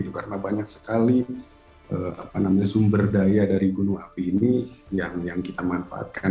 karena banyak sekali sumber daya dari gunung api ini yang kita manfaatkan